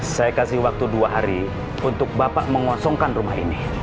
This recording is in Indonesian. saya kasih waktu dua hari untuk bapak mengosongkan rumah ini